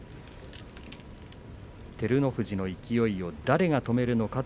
照ノ富士の勢いを誰が止めるのか。